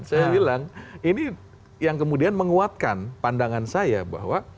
saya bilang ini yang kemudian menguatkan pandangan saya bahwa